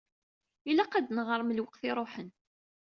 Ilaq ad d-neɣṛem lweqt iruḥen.